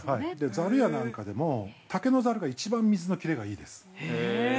◆ざるやなんかでも、竹のざるが一番水の切れがいいです。